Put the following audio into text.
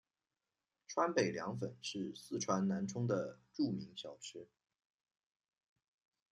川北凉粉是四川南充的著名小吃。